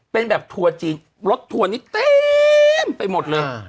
เป็นแบบทัวร์จีนรถทัวร์นี้เต็มไปหมดเลย